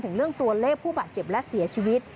ถึงเรื่องตัวเลขผู้บาดเจ็บและเสียชีวิต